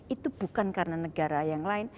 itu bukan karena negara yang lain